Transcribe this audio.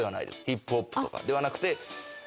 ヒップホップとかではなくて。